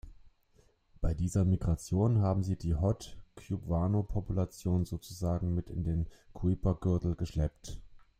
Bei dieser Migration haben sie die „Hot“-Cubewano-Population sozusagen mit in den Kuiper-Gürtel geschleppt.